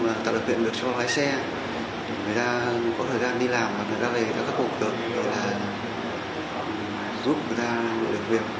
nó tạo được biện lực cho lái xe người ta có thời gian đi làm người ta có thời gian cấp hộp được để giúp người ta được việc